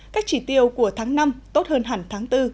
các chỉ tiêu của tháng năm tốt hơn hẳn tháng bốn